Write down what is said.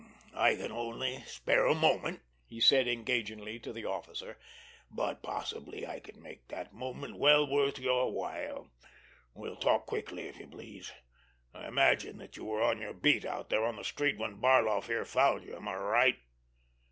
"I can only spare a moment," he said engagingly to the officer; "but possibly I can make that moment well worth your while. We'll talk quickly, if you please. I imagine that you were on your beat out there on the street when Barloff here found you. Am I right?"